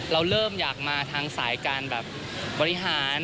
เราเริ่มอยากมาทางสายการแบบบริหาร